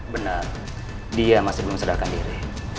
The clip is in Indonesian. benar dia masih belum sadarkan diri